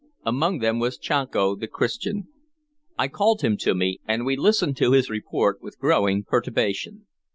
Amongst them was Chanco the Christian. I called him to me, and we listened to his report with growing perturbation.